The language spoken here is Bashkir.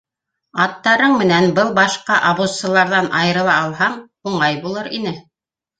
Аттарың менән был башҡа обозсыларҙан айырыла алһаң, уңай булыр ине.